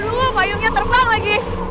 aduh payungnya terbang lagi